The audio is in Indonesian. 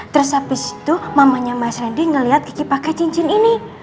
terus habis itu mamanya mas randy ngeliat pakai cincin ini